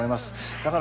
だからね